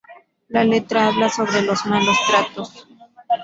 La letra habla sobre los malos tratos.